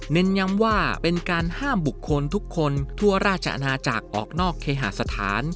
เน้นย้ำว่าเป็นการห้ามบุคคลทุกคนทั่วราชอาณาจักรออกนอกเคหาสถาน